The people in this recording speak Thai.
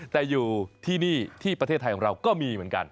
แต่อยู่ที่นี่ที่ประเทศไทยของเราก็มีเหมือนกัน